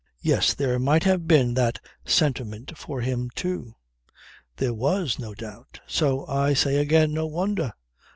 Yes there might have been that sentiment for him too. There was no doubt. So I say again: No wonder!